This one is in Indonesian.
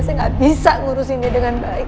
saya gak bisa ngurusin dia dengan baik